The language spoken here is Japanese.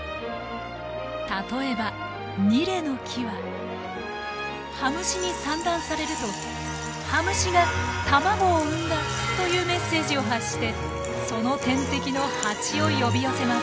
例えばニレの木はハムシに産卵されるとというメッセージを発してその天敵のハチを呼び寄せます。